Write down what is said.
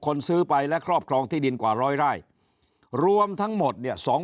คนซื้อไปและครอบครองที่ดินกว่าร้อยไร่รวมทั้งหมดเนี่ย